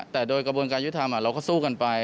แต่โดยกระบวนการยุทธรรมเราก็สู้กันไป